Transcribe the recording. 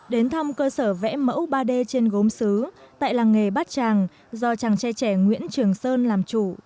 đến thăm cơ sở vẽ mẫu ba d trên gốm xứ tại làng nghề bát tràng do chàng trai trẻ nguyễn trường sơn làm chủ